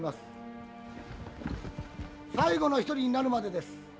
最後の一人になるまでです。